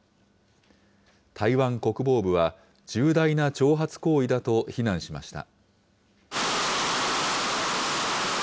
台湾国防部は重大な挑発行為だと非難しました。